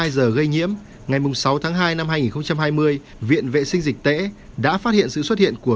hai mươi hai giờ gây nhiễm ngày sáu tháng hai năm hai nghìn hai mươi viện vệ sinh dịch tễ đã phát hiện sự xuất hiện của